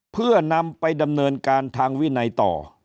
เพื่อนำไปดำเนินการทางวินัยต่อ